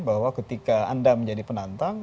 bahwa ketika anda menjadi penantang